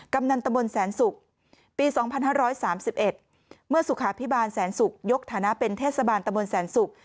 กำนันตะบนแสนศุกร์ปี๒๕๓๑เมื่อสุขาพิบาลแสนศุกร์ยกฐานะเป็นเทศบาลตะบนแสนศุกร์